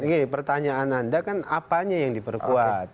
gini pertanyaan anda kan apanya yang diperkuat